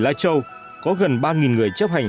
lai châu có gần ba người chấp hành